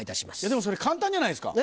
でもそれ簡単じゃないですか。